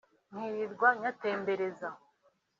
nkirirwa nyatembereza